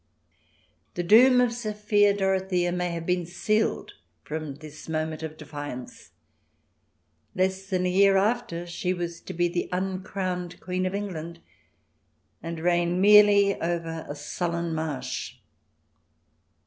The doom of Sophia Dorothea may have been sealed from this moment of defiance. Less than a year after she was to be the uncrowned Queen of England, and reign merely over a sullen marsh.